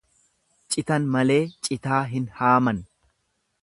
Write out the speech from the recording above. Citan malee citaa hin haaman.